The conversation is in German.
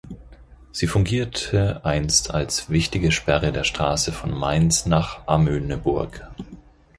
Sie fungierte einst als wichtige Sperre der Straße von Mainz nach Amöneburg.